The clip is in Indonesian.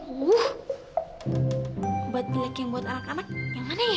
woh obat pilok yang buat anak amat yang mana ya